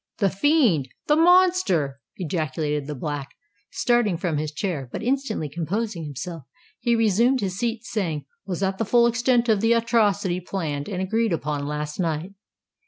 "The fiend!—the monster!" ejaculated the Black, starting from his chair; but instantly composing himself, he resumed his seat, saying, "Was that the full extent of the atrocity planned and agreed upon last night?"